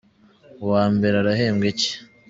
Uwambere arahebwa iki?